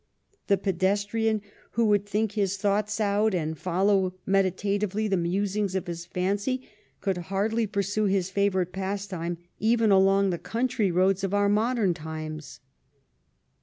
The pedestrian who would think his thoughts out, and follow meditatively the musings of his fancy, could hardly pursue his favorite pastime even along the country roads of our modem times.